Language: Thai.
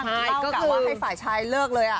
เล่ากันว่าให้สายชายเลิกเลย